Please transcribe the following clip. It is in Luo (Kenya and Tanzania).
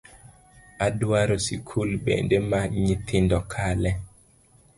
Adwaro sikul bende ma nyithindo kale